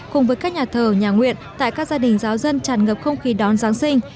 cùng với các nhà thờ nhà nguyện tại các gia đình giáo dân tràn ngập không khí đón giáng sinh